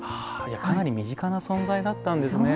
かなり身近な存在だったんですね。